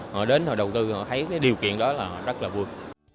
họ đến họ đầu tư họ thấy cái điều kiện đó là họ rất là vui